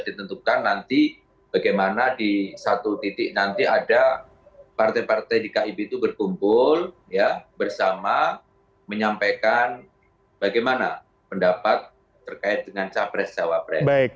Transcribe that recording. ditentukan nanti bagaimana di satu titik nanti ada partai partai di kib itu berkumpul bersama menyampaikan bagaimana pendapat terkait dengan capres cawapres